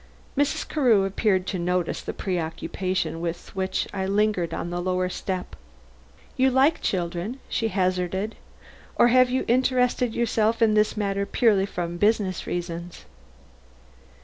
Mrs. Carew appeared to notice the preoccupation with which I lingered on the lower step. "You like children," she hazarded. "Or have you interested yourself in this matter purely from business reasons?"